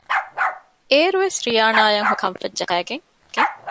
އޭރުވެސް ރިޔާނާ އަށް ހުރެވުނީ ކަންފަތް ޖަހައިގެން